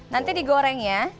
nanti digoreng ya